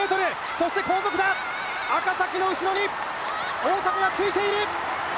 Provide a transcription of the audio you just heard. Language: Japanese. そして後続だ、赤崎の後ろに大迫がついている。